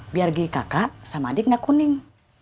biar ghi kakak sama adik gak kuning